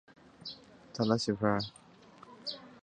莫斯科迪纳摩工厂负责提供牵引电动机及其他电气设备。